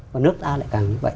và nước ta lại càng như vậy